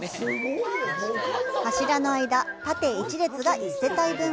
柱の間、縦１列が１世帯分。